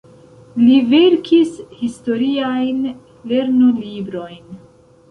Li verkis historiajn lernolibrojn.